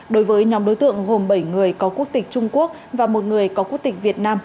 đối với nhóm đối tượng gồm bảy người có quốc tịch trung quốc và một người có quốc tịch việt nam